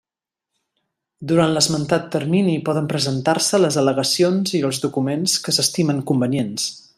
Durant l'esmentat termini poden presentar-se les al·legacions i els documents que s'estimen convenients.